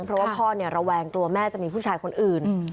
เพราะว่าพ่อระแวงกลัวแม่จะมีผู้ชายคนอื่น